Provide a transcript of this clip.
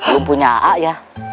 belum punya airnya ya